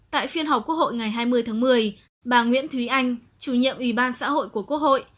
tại phiên họp quốc hội ngày hai mươi tháng một mươi bà nguyễn thúy anh chủ nhiệm ủy ban xã hội của quốc hội